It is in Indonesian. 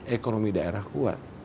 ekonomi daerah kuat